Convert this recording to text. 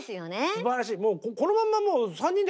すばらしい！